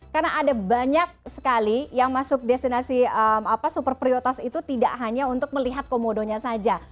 karena ada banyak sekali yang masuk destinasi superpriotas itu tidak hanya untuk melihat komodonya saja